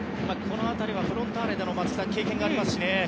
この辺りはフロンターレでの経験がありますしね。